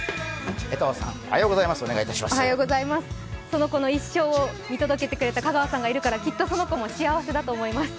その子の一生を見届けてくれた香川さんがいょくからきっとその子も幸せだと思います。